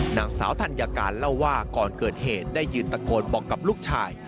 นางสาวธัญการเล่าว่าก่อนเกิดเหตุได้ยืนตะโกนบอกกับลูกชาย